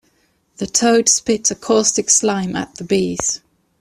The toad spit a caustic slime at the bees.